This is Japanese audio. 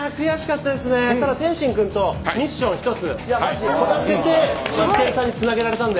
ただ天心君とミッション１つクリアしてマツケンさんにつなげられたんで。